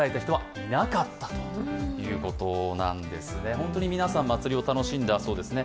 本当に皆さん、祭りを楽しんだそうですね。